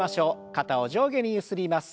肩を上下にゆすります。